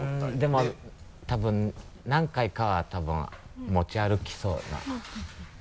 でも多分何回かは多分持ち歩きそうな。